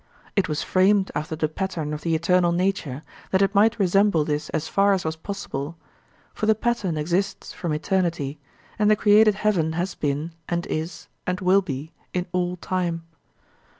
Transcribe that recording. It was framed after the pattern of the eternal nature, that it might resemble this as far as was possible; for the pattern exists from eternity, and the created heaven has been, and is, and will be, in all time.